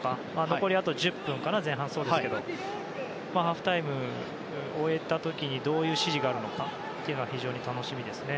残り前半あと１０分ぐらいですがハーフタイムを終えた時どういう指示があるかというのは非常に楽しみですね。